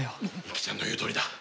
一輝ちゃんの言うとおりだ。